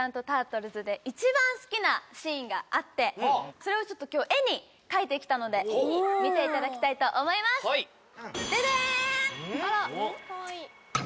それをちょっと今日絵に描いてきたのでぜひ見ていただきたいと思いますででん！